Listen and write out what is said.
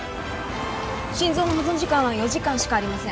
心臓の保存時間は４時間しかありません